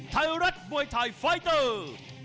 ไทยรัฐมวยไทยไฟเตอร์